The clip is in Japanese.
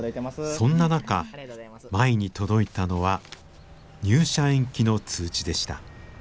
そんな中舞に届いたのは入社延期の通知でした。